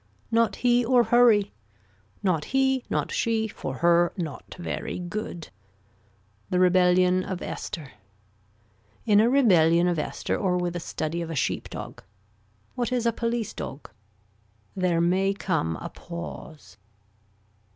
Not he or hurry. Not he. Not she. For her. Not very good. The rebellion of Esther. In a rebellion of Esther or with a study of a sheepdog. What is a police dog. There may come a pause.